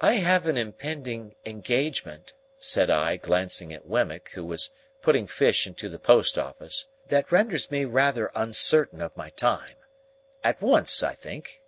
"I have an impending engagement," said I, glancing at Wemmick, who was putting fish into the post office, "that renders me rather uncertain of my time. At once, I think."